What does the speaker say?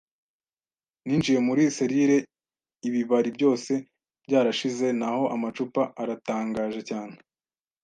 Ninjiye muri selire; ibibari byose byarashize, naho amacupa aratangaje cyane